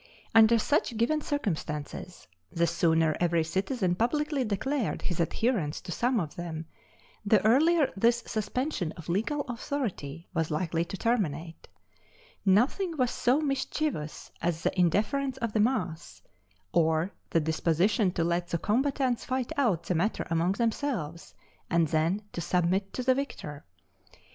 Under such given circumstances, the sooner every citizen publicly declared his adherence to some of them, the earlier this suspension of legal authority was likely to terminate. Nothing was so mischievous as the indifference of the mass, or their disposition to let the combatants fight out the matter among themselves, and then to submit to the victor.